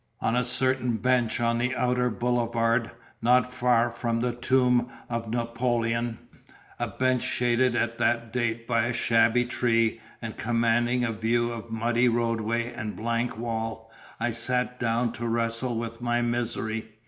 On a certain bench on the outer boulevard, not far from the tomb of Napoleon, a bench shaded at that date by a shabby tree, and commanding a view of muddy roadway and blank wall, I sat down to wrestle with my misery.